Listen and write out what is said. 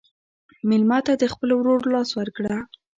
مېلمه ته د خپل ورور لاس ورکړه.